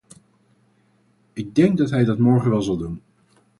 Ik denk dat hij dat morgen wel zal doen.